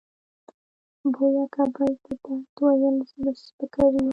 بویه که بل ته درد ویل زړه سپکوي.